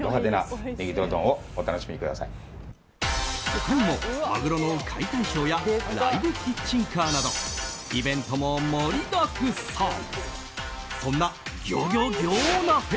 他にも、マグロの解体ショーやライブキッチンカーなどイベントも盛りだくさん。